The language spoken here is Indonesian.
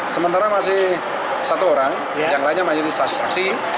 sementara masih satu orang yang lainnya mainin saksi saksi